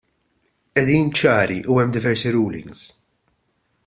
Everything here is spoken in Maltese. Qegħdin ċari u hemm diversi rulings.